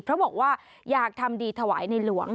เพราะบอกว่าอยากทำดีถวายในหลวง